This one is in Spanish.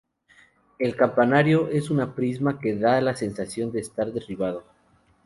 El campanario es un prisma que da la sensación de estar derribado.